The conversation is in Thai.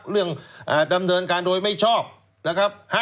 ดำเนินการโดยไม่ชอบนะครับ